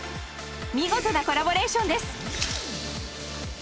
見事なコラボレーションです！